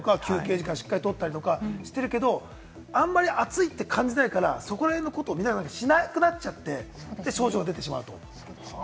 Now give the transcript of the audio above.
氷水を用意したり、休憩時間しっかりとったりしてるけれども、あまり暑いと感じないから、そこら辺のことをしなくなっちゃって、症状が出てしまうと。